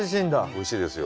おいしいですよ。